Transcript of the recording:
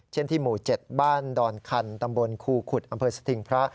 ที่หมู่๗บ้านดอนคันตำบลครูขุดอำเภอสถิงพระ